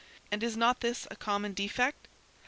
And is not this a common defect?